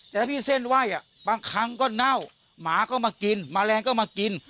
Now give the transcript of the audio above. แต่พี่เส้นไหว้บางครั้งก็เน่าหมาก็มากินแมลงก็มากิน